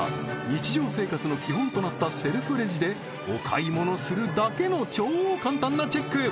日常生活の基本となったセルフレジでお買い物するだけの超簡単なチェック